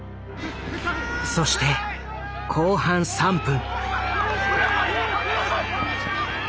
そして後半３分。